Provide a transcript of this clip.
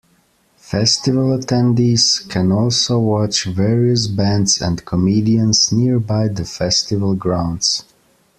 Festival-attendees can also watch various bands and comedians nearby the festival grounds.